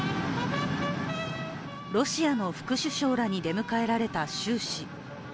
ロシアの副首相らに出迎えられた習氏。